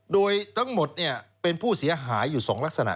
โดยทั้งหมดเป็นผู้เสียหายอยู่๒ลักษณะ